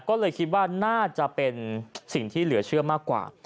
ก็เลยคิดว่าน่าจะเป็นสิ่งที่เหลือเชื่อมากกว่า